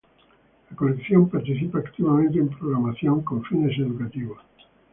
La colección participa activamente en programación con fines educativos.